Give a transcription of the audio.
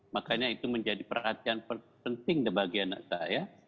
makanya itu menjadi perhatian penting bagi anak saya